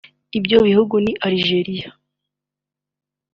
Ibyo bihugu ni Algeria